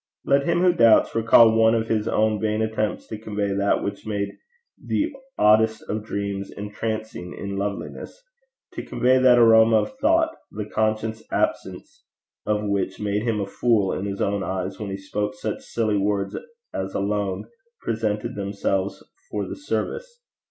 Let him who doubts recall one of his own vain attempts to convey that which made the oddest of dreams entrancing in loveliness to convey that aroma of thought, the conscious absence of which made him a fool in his own eyes when he spoke such silly words as alone presented themselves for the service.